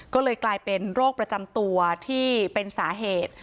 ก็เลยกลายเป็นโรคประจำตัวที่เป็นสาเหตุ